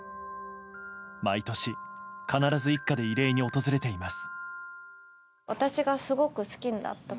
毎年、必ず一家で慰霊に訪れています。